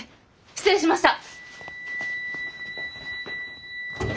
失礼しました！